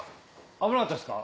危なかったですか？